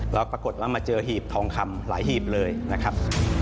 แล้วปรากฏว่ามาเจอหีบทองคำหลายหีบเลยนะครับ